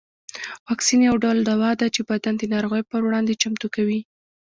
واکسین یو ډول دوا ده چې بدن د ناروغیو پر وړاندې چمتو کوي